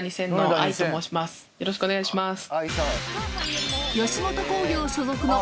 よろしくお願いします。